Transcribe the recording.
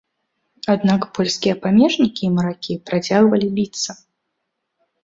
Аднак польскія памежнікі і маракі працягвалі біцца.